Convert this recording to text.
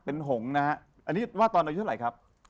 เป็นหงษ์นะฮะอันนี้ว่าตอนอายุเท่าไหร่ครับ